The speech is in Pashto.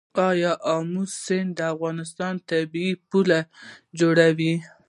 آیا امو سیند د افغانستان طبیعي پوله جوړوي؟